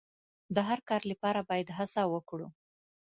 د هر کار لپاره باید هڅه وکړو.